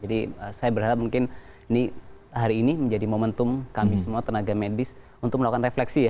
jadi saya berharap mungkin ini hari ini menjadi momentum kami semua tenaga medis untuk melakukan refleksi ya